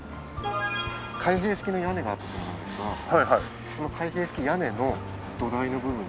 開閉式の屋根があったと思うんですがその開閉式屋根の土台の部分になります。